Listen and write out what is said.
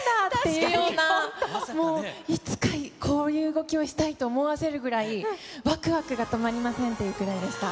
いうような、もういつか、こういう動きをしたいと思わせるぐらい、わくわくが止まりませんっていうくらいでした。